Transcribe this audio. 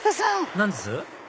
何です？